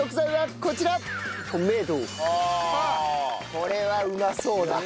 これはうまそうだ。